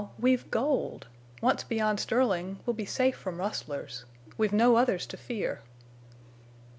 _ We've gold! Once beyond Sterling, we'll be safe from rustlers. We've no others to fear.